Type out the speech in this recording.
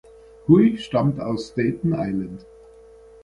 Hui stammt aus Staten Island.